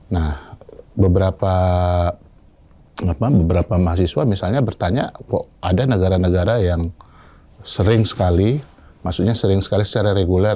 nah beberapa mahasiswa misalnya bertanya kok ada negara negara yang sering sekali maksudnya sering sekali secara reguler